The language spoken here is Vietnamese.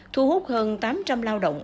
thu hút hơn tám trăm linh lao động